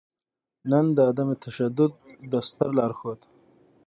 نــن د عـدم تـشدود د ســتــر لارښــود